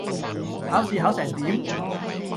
考試考成點?